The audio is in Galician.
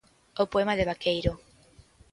O poema de Vaqueiro.